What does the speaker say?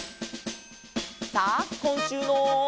さあこんしゅうの。